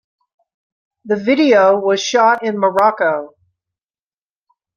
The video was shot in Morocco.